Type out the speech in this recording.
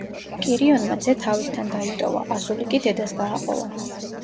კირიონმა ძე თავისთან დაიტოვა, ასული კი დედას გააყოლა.